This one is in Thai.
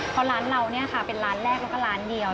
เพราะร้านเราเป็นร้านแรกและก็ร้านเดียว